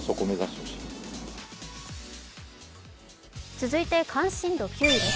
続いて関心度９位です。